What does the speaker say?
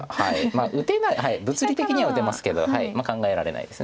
まあ打てない物理的には打てますけど考えられないです。